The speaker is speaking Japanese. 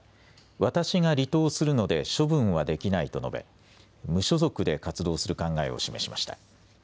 私が離党するので処分はできないと述べ無所属で活動する考えを示しました。